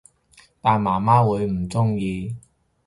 但媽媽會唔鍾意